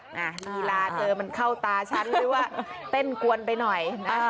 ลีลาเธอมันเข้าตาฉันหรือว่าเต้นกวนไปหน่อย